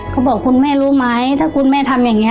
คุณแม่รู้ไหมถ้าคุณแม่ทำอย่างนี้